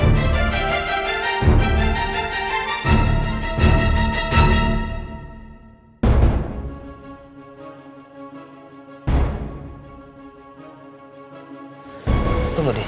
riri aku mau jalan ya